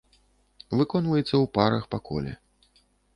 Выконваецца ў парах па коле.